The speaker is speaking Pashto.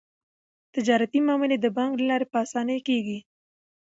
تجارتي معاملې د بانک له لارې په اسانۍ کیږي.